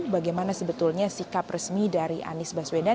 bagaimana sebetulnya sikap resmi dari anies baswedan